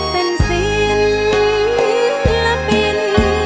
เป็นศิลปิน